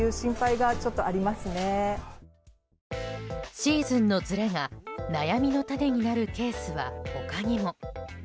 シーズンのずれが悩みの種となるケースは他にも。